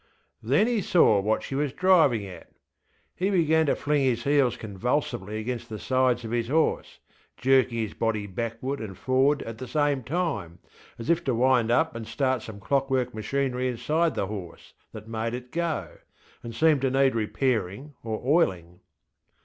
ŌĆÖ Then he saw what she was driving at. He began to fling his heels convulsively against the sides of his horse, jerking his body backward and forward at the same time, as if to wind up and start some clockwork machinery inside the horse, that made it go, and seemed to need repairing or oiling.